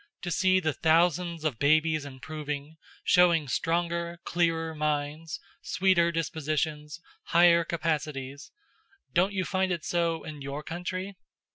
To see the thousands of babies improving, showing stronger clearer minds, sweeter dispositions, higher capacities don't you find it so in your country?"